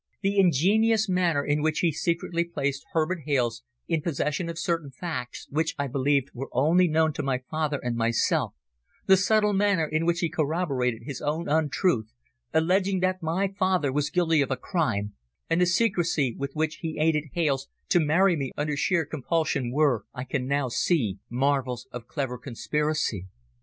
The ingenious manner in which he secretly placed Herbert Hales in possession of certain facts which, I believed, were only known to my father and myself, the subtle manner in which he corroborated his own untruth, alleging that my father was guilty of a crime, and the secrecy with which he aided Hales to marry me under sheer compulsion were, I can now see, marvels of clever conspiracy.